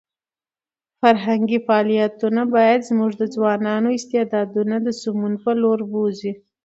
فرهنګي فعالیتونه باید زموږ د ځوانانو استعدادونه د سمون په لور بوځي.